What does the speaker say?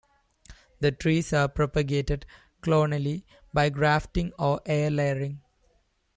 The trees are propagated clonally, by grafting or air layering.